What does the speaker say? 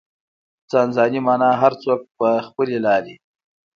ځان ځاني مانا هر څوک په خپلې لارې.